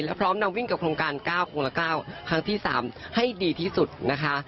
และพร้อมนำวิ่งกับโครงการ๙คนละ๙ครั้งที่๓ให้ดีที่สุดนะคะ